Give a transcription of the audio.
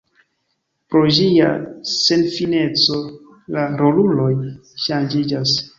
Pro ĝia senfineco la roluloj ŝanĝiĝas.